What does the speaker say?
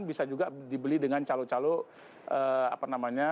bisa juga dibeli dengan calon calon